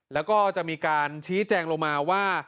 แล้วก็จะมีการชี้แจงลงมาว่า